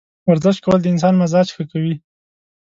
ورزش کول د انسان مزاج ښه کوي.